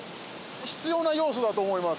必要な要素だと思います。